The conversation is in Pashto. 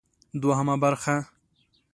دوهمه برخه: